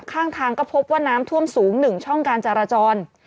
ข้างทางก็พบว่าน้ำท่วมสูง๑ช่องการจราจร